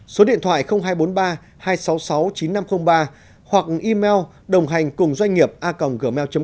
số điện thoại hai trăm bốn mươi ba hai trăm sáu mươi sáu chín nghìn năm trăm linh ba hoặc email đồnghànhcungdonghiệp a gmail com